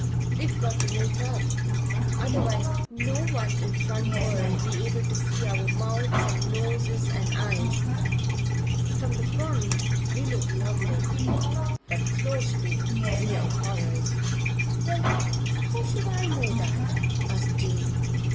We've got to make up, otherwise no one in front would be able to see our mouths and noses and eyes. From the front we look lovely; but close to we're horrors." "Well, how should I know that?" asked Jane.